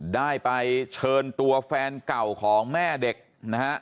ได้ไปเชิญตัวแฟนเก่าของแม่เด็กนะฮะ